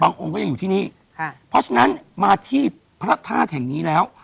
องค์ก็ยังอยู่ที่นี่ค่ะเพราะฉะนั้นมาที่พระธาตุแห่งนี้แล้ว